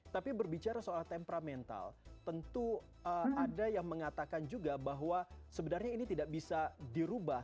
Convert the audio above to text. tapi berbicara soal temperamental tentu ada yang mengatakan juga bahwa sebenarnya ini tidak bisa dirubah